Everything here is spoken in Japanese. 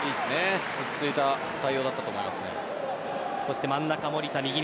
落ち着いた対応だったと思いますね。